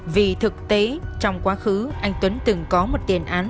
vì thực tế trong quá khứ anh tuấn từng có một tiền án